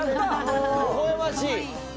ほほえましい。